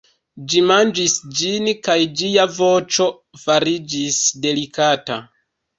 Ĝi manĝis ĝin kaj ĝia voĉo fariĝis delikata.